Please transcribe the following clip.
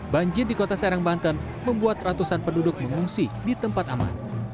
banjir di kota serang banten membuat ratusan penduduk mengungsi di tempat aman